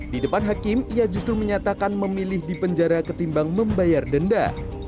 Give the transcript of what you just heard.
di depan hakim ia justru menyatakan memilih di penjara ketimbang membayar denda